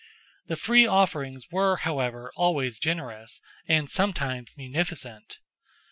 The free offerings were, however, always generous, and sometimes munificent.